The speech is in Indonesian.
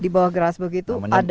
di bawah grasberg itu ada